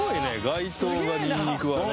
街灯がニンニクはね